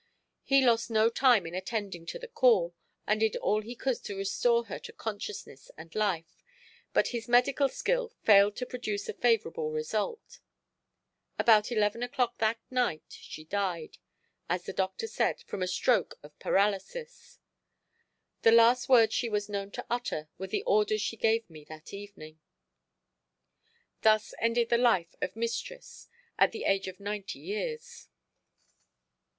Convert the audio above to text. He lost no time in attending to the call, and did all he could to restore her to consciousness and life, but his medical skill failed to produce a favorable result. About 11 o'clock that night she died, as the doctor said, from a stroke of paralysis. The last words she was known to utter were the orders she gave me that evening. Thus ended the life of mistress at the age of ninety years.